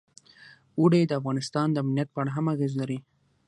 اوړي د افغانستان د امنیت په اړه هم اغېز لري.